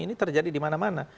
ini terjadi dimana mana